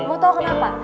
lo tau kenapa